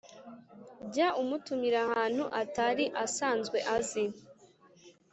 jya umutumira ahantu atari asanzwe azi,